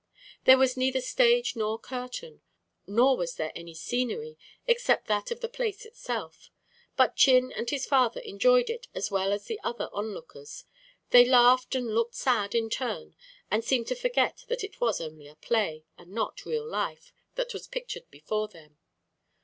There was neither stage nor curtain; nor was there any scenery, except that of the place itself. But Chin and his father enjoyed it as well as the other onlookers. They laughed and looked sad, in turn, and seemed to forget that it was only a play, and not real life, that was pictured before them.